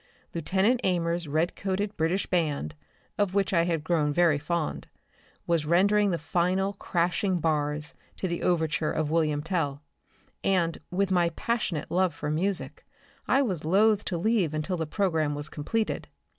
Lieutenant Amers' redcoated British band, of which I had grown very fond, was rendering the final crashing bars of the overture to "Wilhelm Tell," and, with my passionate love for music, I was loth to leave until the programme was completed.